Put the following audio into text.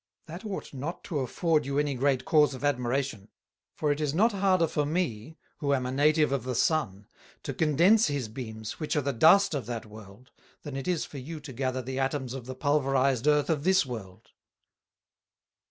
That ought not to afford you any great Cause of Admiration; for it is not harder for me, who am a Native of the Sun, to condense his Beams, which are the Dust of that World, than it is for you to gather the Atomes of the pulveriz'd Earth of this World."